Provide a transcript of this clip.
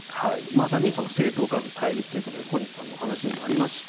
まさに政党間の対立ということで小西さんのお話にもありました